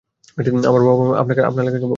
আমার মা-বাবা আপনার লেখাকে ভালো বলে।